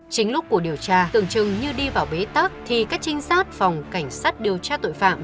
chính lúc của điều tra tưởng chừng như đi vào bế tắc thì các trinh sát phòng cảnh sát điều tra tội phạm